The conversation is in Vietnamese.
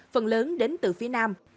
phần lớn đến từ phía nam